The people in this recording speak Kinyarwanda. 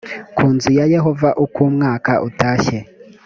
ku nzu ya yehova uko umwaka utashye